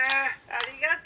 ありがと。